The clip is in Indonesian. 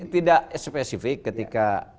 tidak spesifik ketika